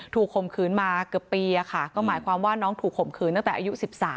ข่มขืนมาเกือบปีก็หมายความว่าน้องถูกข่มขืนตั้งแต่อายุ๑๓